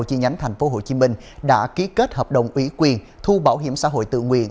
chi nhánh tp hcm đã ký kết hợp đồng ủy quyền thu bảo hiểm xã hội tự nguyện